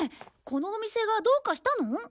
このお店がどうかしたの？